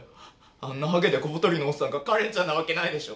あんなハゲで小太りのおっさんがカレンちゃんなわけないでしょ。